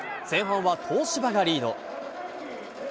前半は東芝がリード。